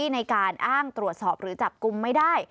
ในการอ้างตรวจสอบหรือจับกลุ่มไม่ได้